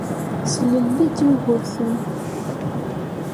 Slelli-d Yugurten.